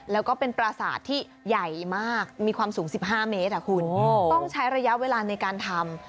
แล้วก็เป็นปราสาทที่ใหญ่มากมีความสูง๑๕เมตรคุณต้องใช้ระยะเวลาในการทำ